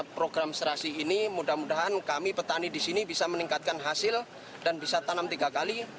program serasi ini mudah mudahan kami petani di sini bisa meningkatkan hasil dan bisa tanam tiga kali